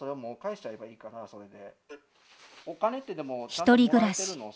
一人暮らし。